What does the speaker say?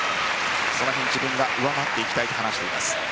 その辺、自分が上回っていきたいと話しています。